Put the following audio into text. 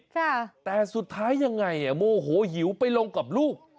ค่ะแต่สุดท้ายยังไงอ่ะโมโหหิวไปลงกับลูก